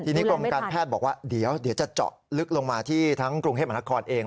ทีนี้กรมการแพทย์บอกว่าเดี๋ยวจะเจาะลึกลงมาที่ทั้งกรุงเทพมหานครเอง